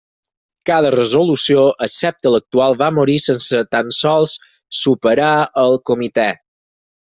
Cada resolució, excepte l'actual, va morir sense tan sols superar el comitè.